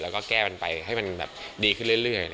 แล้วก็แก้มันไปให้มันดีขึ้นเรื่อย